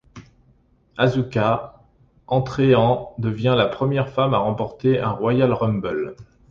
Asuka, entrée en devient la première femme à remporter un Royal Rumble.